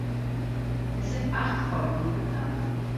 Es sind acht Folgen geplant.